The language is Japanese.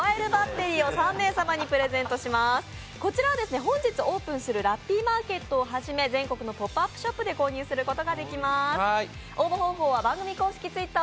こちらは本日オープンするラッピーマーケットをはじめ全国のポップアップショップで購入することができます。